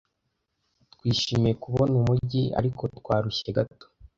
Twishimiye kubona umujyi, ariko twarushye gato.